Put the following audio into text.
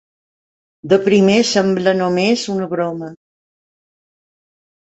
De primer sembla només una broma.